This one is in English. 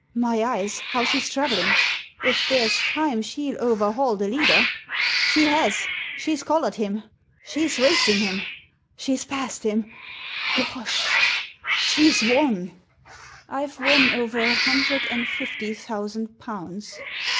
My eyes, how she's travelling! If there's time, she'll overhaul the leader! She has! She's collared him! She's racing him ! She's passed him ! Gosh ! she's won !" "I've won over a hundred and fifty thousand pounds."